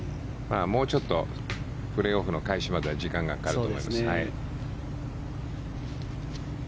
もうちょっとプレーオフの開始までは時間がかかると思います。